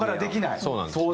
そうなんですよね。